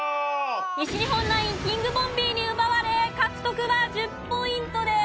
西日本ナインキングボンビーに奪われ獲得は１０ポイントです。